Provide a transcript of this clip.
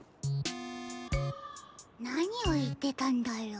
なにをいってたんだろう？